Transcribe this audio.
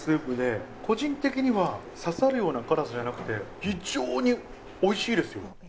個人的には刺さるような辛さじゃなくて非常においしいですよ。